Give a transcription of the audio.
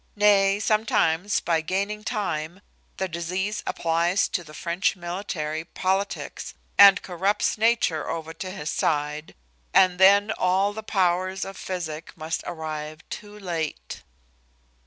Nay, sometimes by gaining time the disease applies to the French military politics, and corrupts nature over to his side, and then all the powers of physic must arrive too late.